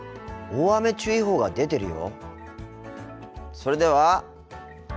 大雨注意報が出てるよ。